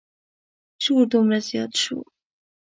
شور دومره زیات شو.